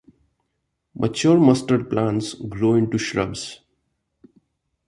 Mature mustard plants grow into shrubs.